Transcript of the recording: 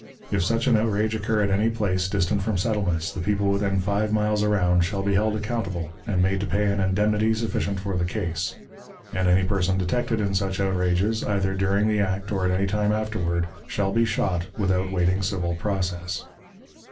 If such an outrage occur at any place distant from settlements, the people within five miles around shall be held accountable, and made to pay an indemnity sufficient for the case; and any person detected in such outrages, either during the act or at any time afterward, shall be shot, without waiting civil process.